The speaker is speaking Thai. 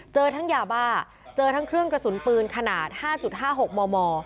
เจอทั้งยาบ้าเจอทั้งเครื่องกระสุนปืนขนาด๕๕๖มม